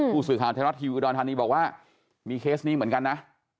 ผู้สื่อข่าวทางอุดรธานีบอกว่ามีเคสนี้เหมือนกันนะ